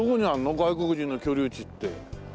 外国人の居留地って。